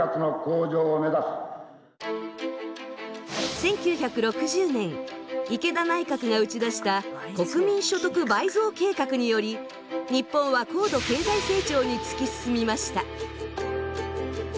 １９６０年池田内閣が打ち出した国民所得倍増計画により日本は高度経済成長に突き進みました。